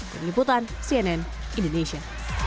dari liputan cnn indonesia